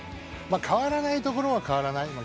変わらないところは変わらない。